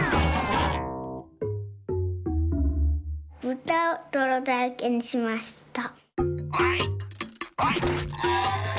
ぶたをどろだらけにしました。